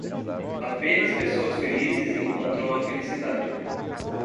Apenas pessoas felizes encontram a felicidade.